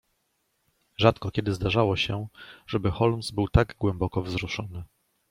"Rzadko kiedy zdarzało się, żeby Holmes był tak głęboko wzruszony."